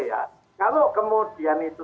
ya kalau kemudian itu